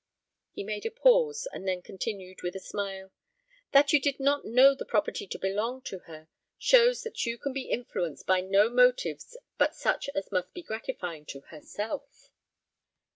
He made a pause, and then continued, with a smile: "That you did not know the property to belong to her, shows that you can be influenced by no motives but such as must be gratifying to herself."